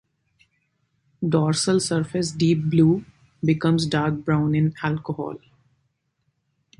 Dorsal surface deep blue (becomes dark brown in alcohol).